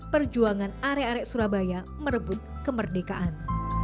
perjuangan arek arek surabaya merebut kemerdekaan